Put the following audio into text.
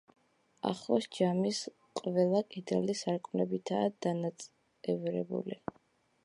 ახოს ჯამის ყველა კედელი სარკმლებითაა დანაწევრებული.